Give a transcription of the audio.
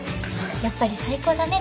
やっぱり最高だね